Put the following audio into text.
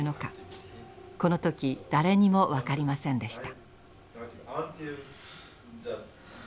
この時誰にも分かりませんでした。